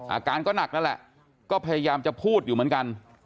อาการก็หนักนั่นแหละก็พยายามจะพูดอยู่เหมือนกัน